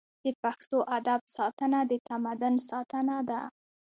د پښتو ادب ساتنه د تمدن ساتنه ده.